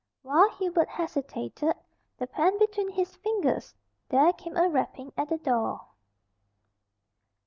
While Hubert hesitated, the pen between his fingers, there came a rapping at the door.